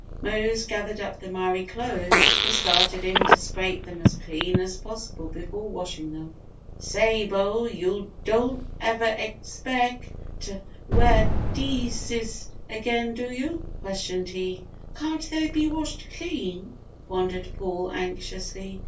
Mose gathered up the miry clothes and started in to scrape them as clean as possible before washing them. "Say, Bo, yo' don' ever expec' t' wear deses again, do yo'?" questioned he. "Can't they be washed clean?" wondered Paul, anxiously.